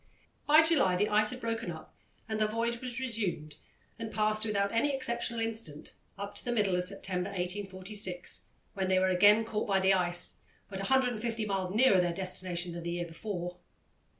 By July the ice had broken up and the voyage was resumed and passed without any exceptional incident, up to the middle of September 1846, when they were again caught by the ice, but 150 miles nearer their destination than the year before.